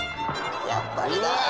やっぱりなあ。